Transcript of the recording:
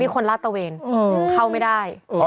เข้าไม่ได้